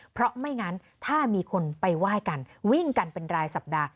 เพราะไม่งั้นถ้ามีคนไปไหว้กันวิ่งกันเป็นรายสัปดาห์